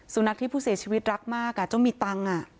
สุนัขที่ผู้เสียชีวิตรักมากเจ้ามีตังค์